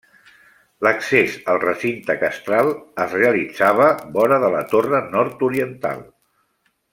L'accés al recinte castral es realitzava vora de la torre nord-oriental.